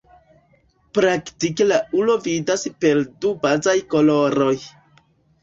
Praktike la ulo vidas per du bazaj koloroj.